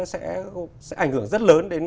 sẽ ảnh hưởng rất lớn đến